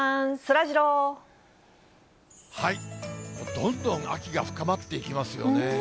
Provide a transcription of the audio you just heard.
どんどん秋が深まっていきますよね。